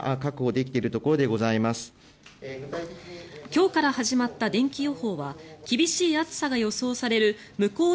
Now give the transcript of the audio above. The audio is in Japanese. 今日から始まったでんき予報は厳しい暑さが予想される向こう